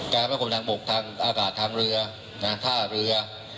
การประกอบหนังบกทางอากาศทางเรือหน้าท่าเรือ